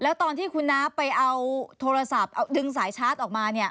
แล้วตอนที่คุณน้าไปเอาโทรศัพท์เอาดึงสายชาร์จออกมาเนี่ย